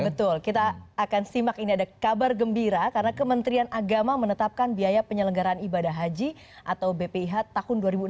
betul kita akan simak ini ada kabar gembira karena kementerian agama menetapkan biaya penyelenggaraan ibadah haji atau bpih tahun dua ribu enam belas